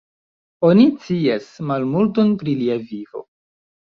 Oni scias malmulton pri lia vivo.